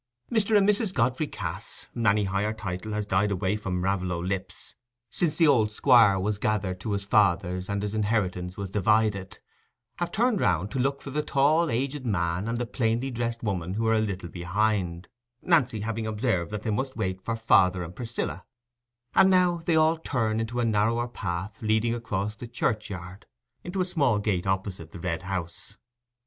Mr. and Mrs. Godfrey Cass (any higher title has died away from Raveloe lips since the old Squire was gathered to his fathers and his inheritance was divided) have turned round to look for the tall aged man and the plainly dressed woman who are a little behind—Nancy having observed that they must wait for "father and Priscilla"—and now they all turn into a narrower path leading across the churchyard to a small gate opposite the Red House.